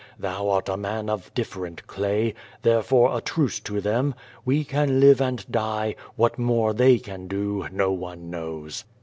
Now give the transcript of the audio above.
Thou art a man of different clay. Therefore a truce to them. We can live and die, what more they can do no one knows."